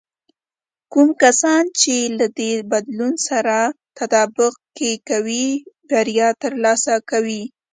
کوم کسان چې له دې بدلون سره ځان تطابق کې کوي، بریا ترلاسه کوي.